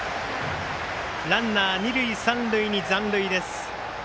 ランナー、二塁三塁に残塁です。